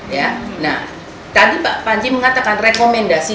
ya nah tadi pak panji mengatakan rekomendasi